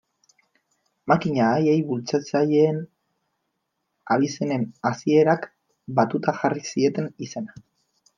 Makina haiei bultzatzaileen abizenen hasierak batuta jarri zieten izena.